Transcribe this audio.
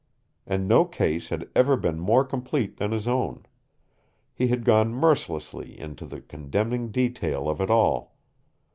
And no case had ever been more complete than his own. He had gone mercilessly into the condemning detail of it all.